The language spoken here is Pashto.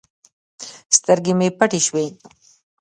سترګې مې پټې سوې.